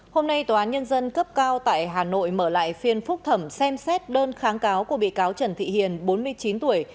hôm nay tòa án nhân dân cấp cao tại hà nội mở lại phiên phúc thẩm xem xét đơn kháng cáo của bị cáo trần thị hiền bốn mươi chín tuổi